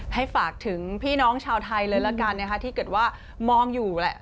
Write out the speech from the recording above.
ให้ฝากถึงพี่น้องชาวไทยเลยละกันนะคะที่เกิดว่ามองอยู่แหละ